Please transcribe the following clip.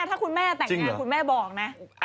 ถ้าคุณแม่แต่งงานคุณแม่บอกนะ